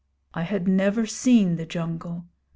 I had never seen the jungle.